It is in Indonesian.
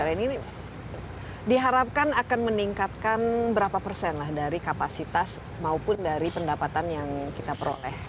ini diharapkan akan meningkatkan berapa persen lah dari kapasitas maupun dari pendapatan yang kita peroleh